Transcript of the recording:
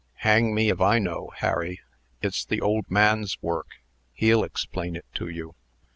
"Hang me if I know, Harry! It's the old man's work. He'll explain it to you."